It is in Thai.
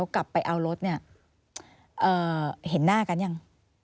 ตอนที่เขากลับไปเอารถเนี่ยเห็นหน้ากันยัง